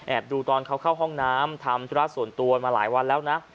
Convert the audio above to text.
ดูตอนเขาเข้าห้องน้ำทำธุระส่วนตัวมาหลายวันแล้วนะ